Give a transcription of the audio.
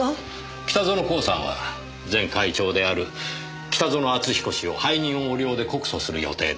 北薗興産は前会長である北薗篤彦氏を背任横領で告訴する予定です。